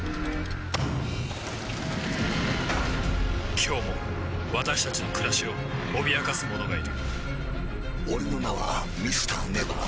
今日も私たちの暮らしを脅かすものがいる俺の名はＭｒ．ＮＥＶＥＲ。